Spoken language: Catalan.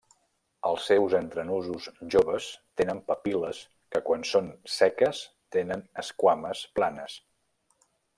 Els seus entrenusos joves tenen papil·les que quan són seques tenen esquames planes.